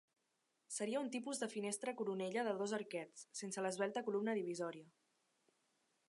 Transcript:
Seria un tipus de finestra coronella de dos arquets, sense l'esvelta columna divisòria.